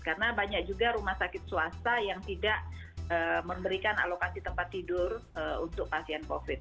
karena banyak juga rumah sakit swasta yang tidak memberikan alokasi tempat tidur untuk pasien covid